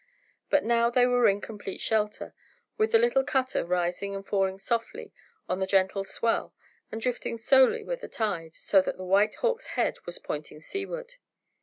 But now they were in complete shelter, with the little cutter rising and falling softly on the gentle swell and drifting slowly with the tide, so that the White Hawk's head was pointing seaward.